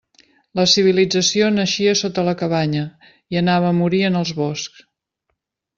La civilització naixia sota la cabanya i anava a morir en els boscs.